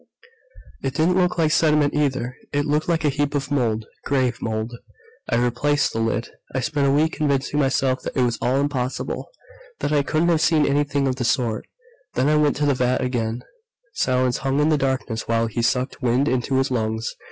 "It didn't look like sediment, either. It looked like a heap of mold ... grave mold! "I replaced the lid. I spent a week convincing myself that it was all impossible, that I couldn't have seen anything of the sort. Then I went to the vat again " Silence hung in the darkness while he sucked wind into his lungs.